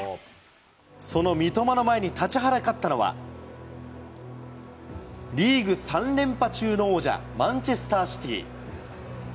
その三笘の前に立ちはだかったのは、リーグ３連覇中の王者、マンチェスターシティ。